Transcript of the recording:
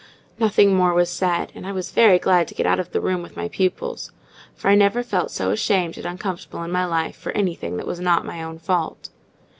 Nothing more was said; and I was very glad to get out of the room with my pupils; for I never felt so ashamed and uncomfortable in my life for anything that was not my own fault.